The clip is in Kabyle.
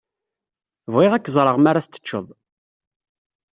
Bɣiɣ ad k-ẓreɣ mi ara t-teččeḍ.